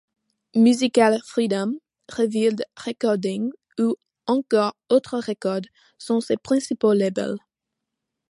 Musical Freedom, Revealed Recordings ou encore Ultra Records sont ses principaux labels.